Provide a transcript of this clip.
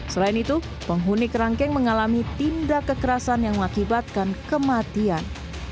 selain itu penghuni kerangkeng mengalami tindak kekerasan yang mengakibatkan kematian